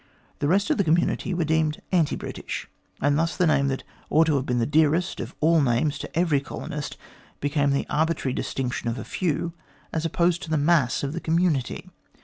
The rest of the community were deemed anti British, and thus the name that ought to have been the dearest of all names to every colonist, became the arbitrary distinction of the few, as opposed to the mass of the community.